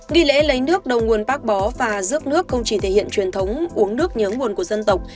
nghi lễ lấy nước đầu nguồn bác bó và rước nước không chỉ thể hiện truyền thống uống nước nhớ nguồn của dân tộc